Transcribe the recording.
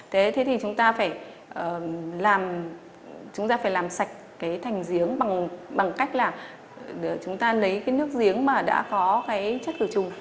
thế thì chúng ta phải làm sạch cái thành giếng bằng cách là chúng ta lấy cái nước giếng mà đã có cái chất khử trùng